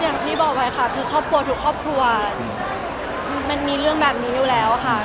อย่างที่บอกไว้ค่ะคือครอบครัวทุกครอบครัวมันมีเรื่องแบบนี้อยู่แล้วค่ะ